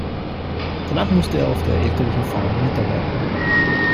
Danach musste er auf der elterlichen Farm mitarbeiten.